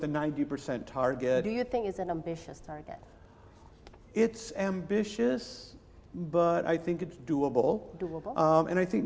hampir setengah dari indonesia masih tidak ada bank